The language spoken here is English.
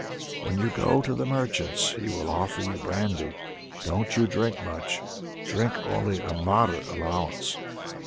When you go to the merchant's he will offer you brandy; don't you drink much drink only a moderate allowance.